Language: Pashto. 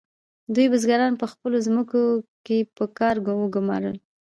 دوی بزګران په خپلو ځمکو کې په کار وګمارل.